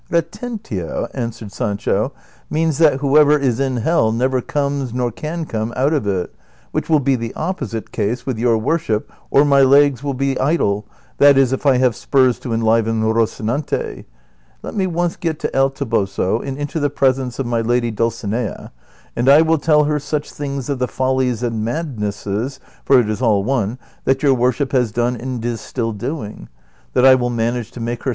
" Retentio ^^ answered Sancho, " means that whoever is in hell never comes nor can come out of it, Avhicli will be the opposite case with your worship or my legs will be idle, that is if I have spurs to enliven Eocinante : let me once get to El Toboso and into the presence of my lady Dulcinea, and I will tell her such things of the follies and madnesses (for it is all one) that your worship has done and is still doing, that I will manage to make CHAPTER XXV.